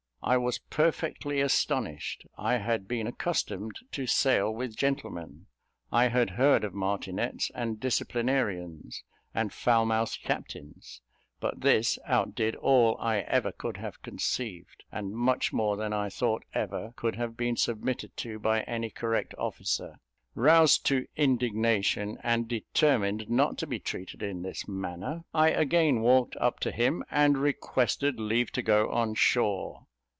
I was perfectly astonished: I had been accustomed to sail with gentlemen. I had heard of martinets, and disciplinarians, and foul mouthed captains; but this outdid all I ever could have conceived, and much more than I thought ever could have been submitted to by any correct officer. Roused to indignation, and determined not to be treated in this manner, I again walked up to him, and requested leave to go on shore.